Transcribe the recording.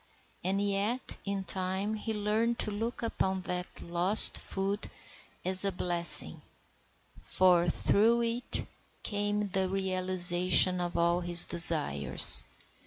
And yet in time he learned to look upon that lost foot as a blessing, for through it came the realization of all his desires.